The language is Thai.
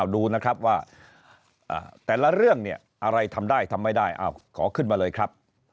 ดูนะครับว่าแต่ละเรื่องเนี่ยอะไรทำได้ทำไม่ได้ขอขึ้นมาเลยครับ